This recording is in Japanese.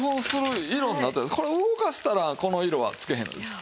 これ動かしたらこの色はつけへんのですよ。